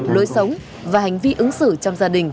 lối sống và hành vi ứng xử trong gia đình